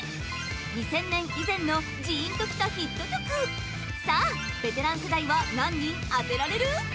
２０００年以前のジーンときたヒット曲さあベテラン世代は何人当てられる？